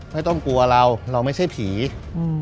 ไม่ต้องกลัวเราเราไม่ใช่ผีอืม